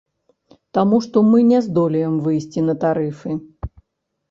Таму што мы не здолеем выйсці на тарыфы.